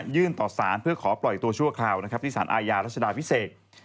ยื่นต่อสารเพื่อขอปล่อยตัวชั่วคราวที่สารอายารัชดาพิเศษ